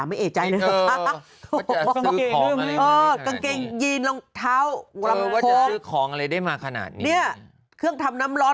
ไม่เอ๋ใจเลยเออกางเกงยีนรองเท้าวรำโพงเครื่องทำน้ำร้อน